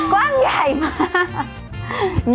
กว้างใหญ่มาก